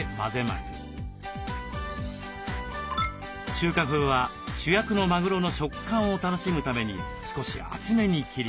中華風は主役のマグロの食感を楽しむために少し厚めに切ります。